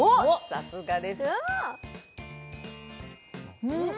さすがですうん！